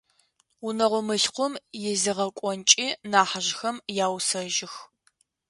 Унэгъо мылъкум изегъэкӏонкӏи нахьыжъхэм яусэжьых.